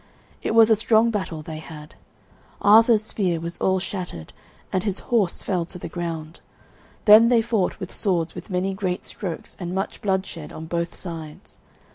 It was a strong battle they had. Arthur's spear was all shattered, and his horse fell to the ground. Then they fought with swords with many great strokes and much blood shed on both sides.